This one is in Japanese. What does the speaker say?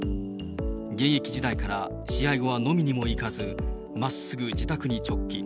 現役時代から試合後は飲みにも行かず、まっすぐ自宅に直帰。